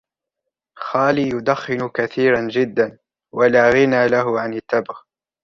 خالي يدخن كثيرًا جدا ، ولا غنى له عن التبغ.